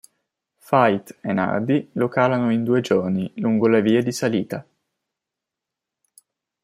Fait e Nardi lo calano in due giorni lungo la via di salita.